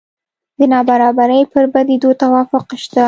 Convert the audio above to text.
د نابرابرۍ پر بدیو توافق شته.